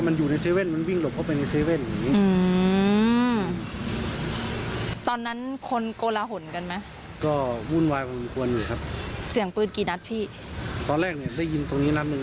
เมื่อกีดปักหนึ่งก็ได้ยินเรื่องนั้นหนึ่ง